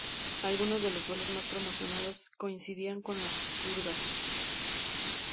Algunos de los vuelos más promocionados coincidían con las purgas.